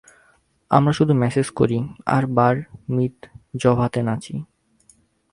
আমরা শুধু ম্যাসেজ করি আর বার মিৎজভাতে নাচি।